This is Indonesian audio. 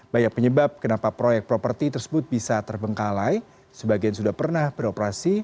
banyak penyebab kenapa proyek properti tersebut bisa terbengkalai sebagian sudah pernah beroperasi